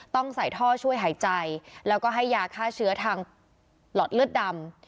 ต้องใส่ท่อช่วยหายใจแล้วก็ให้ยาฆ่าเชื้อทางหลอดเลือดดำ